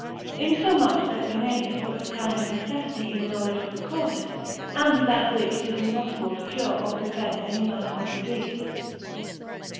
Insomuch that Fernelius puts a kind of necessity in the knowledge of the causes, and without which it is impossible to cure or prevent any manner of disease.